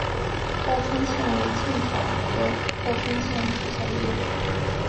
报春茜为茜草科报春茜属下的一个种。